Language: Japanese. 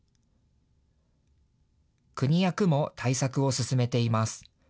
国や区も対策を進めています。